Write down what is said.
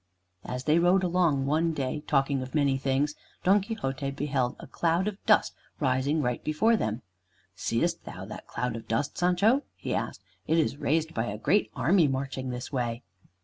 As they rode along one day talking of many things, Don Quixote beheld a cloud of dust rising right before them. "Seest thou that cloud of dust, Sancho?" he asked. "It is raised by a great army marching this way."